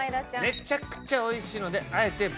「めちゃくちゃおいしいので」。